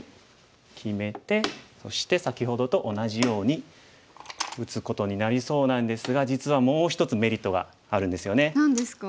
決めてそして先ほどと同じように打つことになりそうなんですが実はもう一つメリットがあるんですよね。